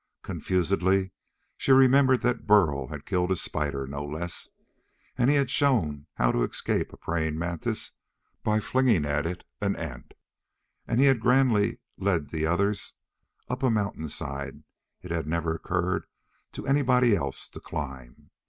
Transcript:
Confusedly she remembered that Burl had killed a spider, no less, and he had shown how to escape a praying mantis by flinging it at an ant, and he had grandly led the others up a mountainside it had never occurred to anybody else to climb.